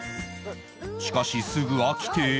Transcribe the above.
しかしすぐ飽きて